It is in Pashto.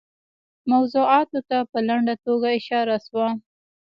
موضوعاتو ته په لنډه توګه اشاره شوه.